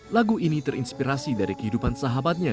lagu ini terinspirasi dari kehidupan sahabatnya